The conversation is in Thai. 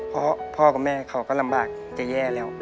เพราะพ่อกับแม่เขาก็ลำบากจะแย่แล้ว